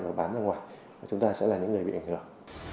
và bán ra ngoài và chúng ta sẽ là những người bị ảnh hưởng